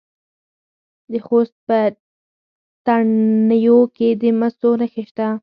د خوست په تڼیو کې د مسو نښې شته.